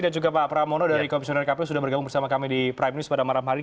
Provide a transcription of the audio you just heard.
dan juga pak pramono dari komisioner kp sudah bergabung bersama kami di prime news pada malam hari ini